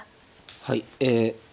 はいえ